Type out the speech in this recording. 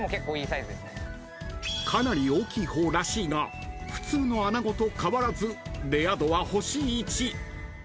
［かなり大きい方らしいが普通のアナゴと変わらずレア度は星１］